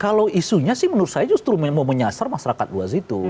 kalau isunya sih menurut saya justru mau menyasar masyarakat luas itu